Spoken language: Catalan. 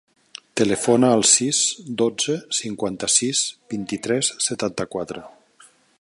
Telefona al sis, dotze, cinquanta-sis, vint-i-tres, setanta-quatre.